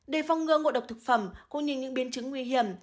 để phong ngơ ngộ độc thực phẩm cũng nhìn những biến chứng nguy hiểm